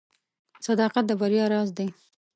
• صداقت د بریا راز دی.